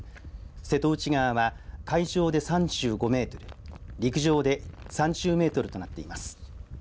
瀬戸内側は海上で３５メートル陸上で３０メートルとなっています。